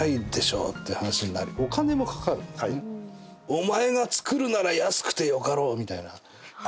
お前が作るなら安くてよかろうみたいな。